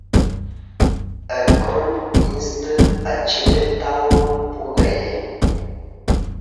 اہ کون اِیݩستہ اچیں تاوں پُوگہ گیے